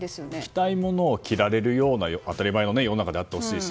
着たいものを着られるような当たり前の世の中であってほしいし